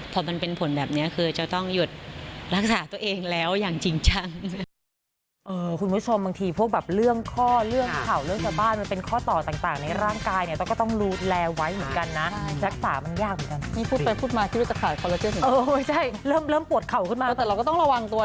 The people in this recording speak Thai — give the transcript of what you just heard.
พอมันเป็นผลแบบนี้คือจะต้องหยุดรักษาตัวเองแล้วอย่างจริงจัง